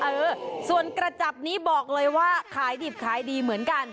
เออส่วนกระจับนี้บอกเลยว่าขายดิบขายดีเหมือนกัน